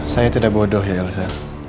saya tidak bodoh ya elza